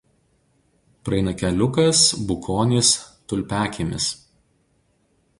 Praeina keliukas Bukonys–Tulpiakiemis.